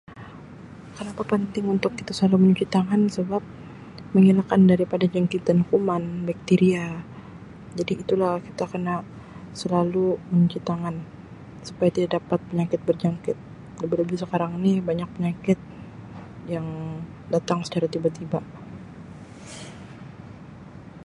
Kenapa penting untuk kita selalu mencuci tangan sebab mengelakkan daripada jangkitan kuman, bakteria, jadi itulah kita kena selalu mencuci tangan supaya tidak dapat penyakit berjangkit. Lebih-lebih sekarang ni banyak penyakit yang datang secara tiba-tiba.